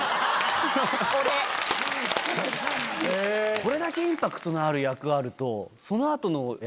これだけインパクトのある役あると。